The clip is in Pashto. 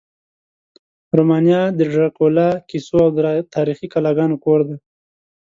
رومانیا د ډرکولا کیسو او تاریخي قلاګانو کور دی.